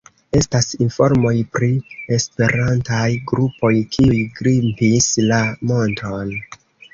Estas informoj pri esperantistaj grupoj, kiuj grimpis la monton.